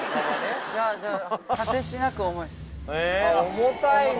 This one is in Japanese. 重たいか。